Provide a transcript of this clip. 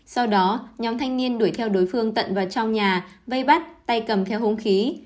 sau đó nhóm thanh niên đuổi theo đối phương tận vào trong nhà vây bắt tay cầm theo hung khí